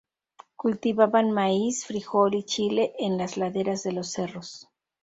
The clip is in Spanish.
Cultivaban maíz, frijol y chile en las laderas de los cerros.